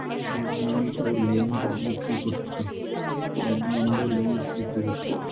এডমন্ডও lens বিক্রি করত।